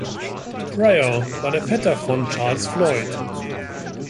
Pryor war der Vetter von Charles Floyd.